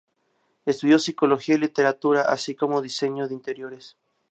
Estudió psicología y literatura, así como diseño de interiores.